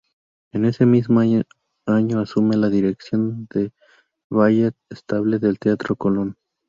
En ese mismo año asume la dirección del Ballet Estable del Teatro Colón.